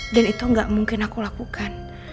itu gak mungkin aku lakukan